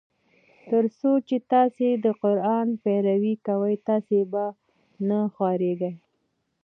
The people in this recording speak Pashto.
تر څو چي تاسي د قرآن پیروي کوی تاسي به نه خوارېږی.